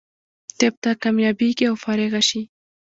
طب ته کامیابېږي او فارغه شي.